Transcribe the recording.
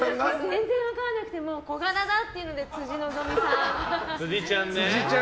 全然分からなくて小柄だっていうので辻希美さん。